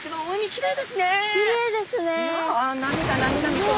きれいですね。